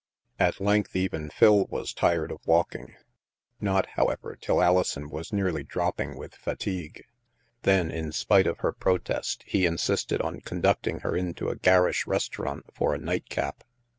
^^ At length even Phil was tired of walking, not, however, till Alison was nearly dropping with fa tigue. Then, in spite of her protest, he insisted on conducting her into a garish restaurant for a " night cap."